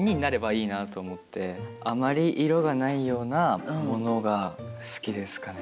あまり色がないようなものが好きですかね。